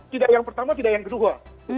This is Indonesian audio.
tidak yang pertama tidak yang kedua